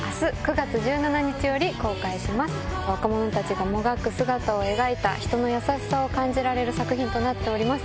若者たちがもがく姿を描いた人の優しさを感じられる作品となっております。